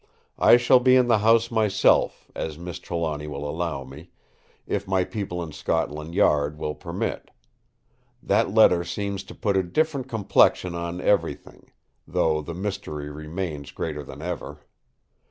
I shall be in the house myself, as Miss Trelawny will allow me, if my people in Scotland Yard will permit. That letter seems to put a different complexion on everything; though the mystery remains greater than ever.